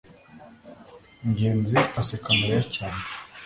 ngenzi aseka mariya cyane